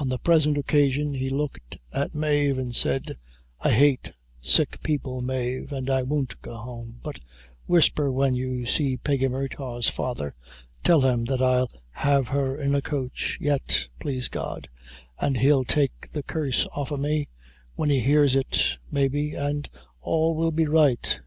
On the present occasion, he looked at Mave, and said: "I hate sick people, Mave, an' I won't go home; but, whisper, when you see Peggy Murtagh's father, tell him that I'll have her in a coach, yet, plaise God, an' he'll take the curse off o' me, when he hears it, maybe, an' all will be right."